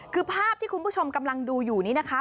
คือภาพที่คุณผู้ชมกำลังดูอยู่นี้นะคะ